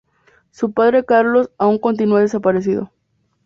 Su padre Carlos, aún continúa desaparecido.